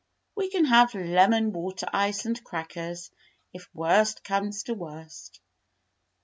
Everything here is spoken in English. We can have lemon water ice and crackers, if worst comes to worst."